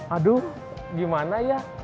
aduh gimana ya